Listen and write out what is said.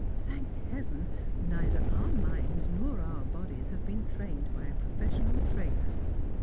" Thank heaven, neither our minds nor our bodies have been trained by a professional trainer.